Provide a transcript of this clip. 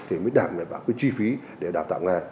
thì mới đảm bảo cái chi phí để đào tạo nghề